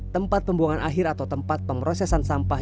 tempat pembuangan akhir atau tempat pemrosesan sampah